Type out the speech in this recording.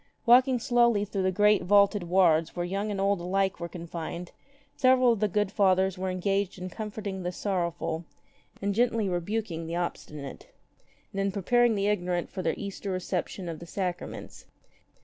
Walking slowly through the great vaulted wards where young and old alike were confined, several of the good Fathers were engaged in comforting the sorrow ful, in gently rebuking the obstinate, and in preparing the ignorant for their Easter reception of the sacraments.